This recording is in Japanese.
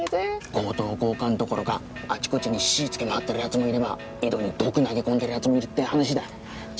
強盗・強姦どころかあちこちに火をつけまわってるやつもいれば井戸に毒を投げ込んでるやつもいるって話だ。